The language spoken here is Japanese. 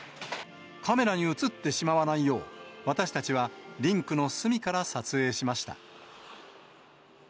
カメラにうつってしまわないよう、私たちはリンクの隅から撮影しました。